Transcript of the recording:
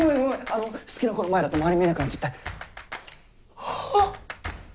あの好きな子の前だと周り見えなくなっちゃってあっ。